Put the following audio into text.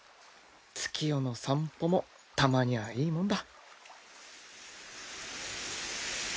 月夜の散歩もたまにゃいいもんだ。